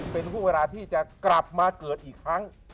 เป็นห่วงเวลาที่จะกลับมาเกิดอีกครั้ง